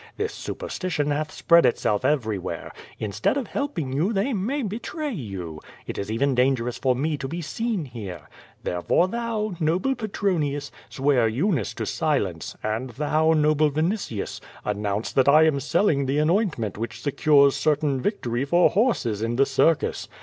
This superstition hath spread itself everywhere. Instead of helping you they may betray you. It is even dangerous for me to be seen here. Therefore, thou, noble Petronius, swear Eunice to silence, and thou, noble Yinitius, announce that I am selling thee an ointment which secures certain victory for horses in the circus.